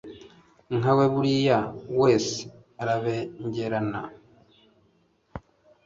Nkawe buri wese arabengerana